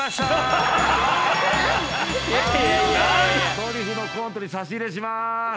ドリフのコントに差し入れします。